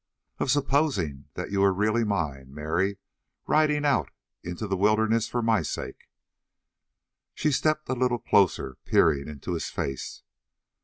"Of supposing that you are really mine, Mary, and riding out into the wilderness for my sake." She stepped a little closer, peering into his face.